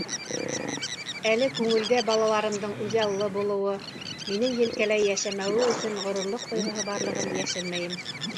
Әле күңелдә балаларымдың үҙаллы булыуы, минең елкәлә йәшәмәүе өсөн ғорурлыҡ тойғоһо барлығын йәшермәйем.